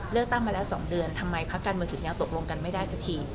เลือกตั้งมาแล้ว๒เดือนทำไมพักการเมืองถึงยังตกลงกันไม่ได้สักที